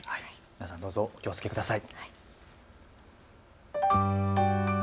皆さんどうぞお気をつけください。